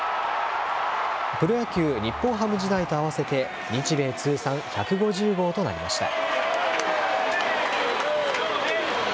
プロ野球・日本ハム時代と合わせて、日米通算１５０号となりました。